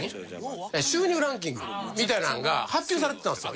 収入ランキングみたいなのが発表されてたんですよ。